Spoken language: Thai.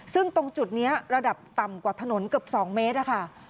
ซึ่งตรงจุดนี้ระดับต่ำกว่าถนนเกือบ๒เมตรค่ะ